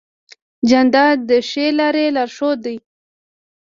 جانداد د ښې لارې لارښود دی.